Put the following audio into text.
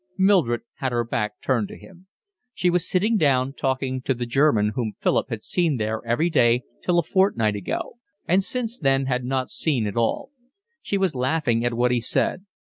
Mildred had her back turned to him. She was sitting down, talking to the German whom Philip had seen there every day till a fortnight ago and since then had not seen at all. She was laughing at what he said.